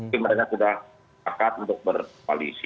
jadi mereka sudah dekat untuk berkoalisi